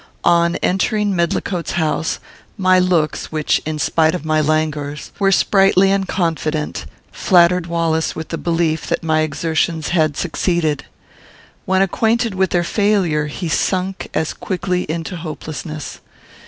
On entering Medlicote's house, my looks, which, in spite of my languors, were sprightly and confident, flattered Wallace with the belief that my exertions had succeeded. When acquainted with their failure, he sunk as quickly into hopelessness.